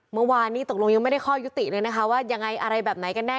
เมื่อวานนี้ตกลงยังไม่ได้ข้อยุติเลยนะคะว่ายังไงอะไรแบบไหนกันแน่